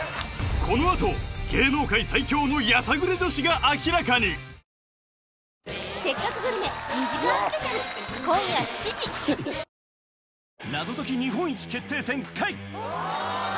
このあと芸能界最強のやさぐれ女子が明らかに新しい「伊右衛門」